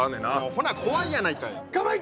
ほな怖いやないかい！